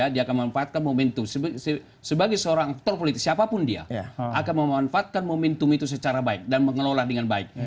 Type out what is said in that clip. dia akan memanfaatkan momentum sebagai seorang aktor politik siapapun dia akan memanfaatkan momentum itu secara baik dan mengelola dengan baik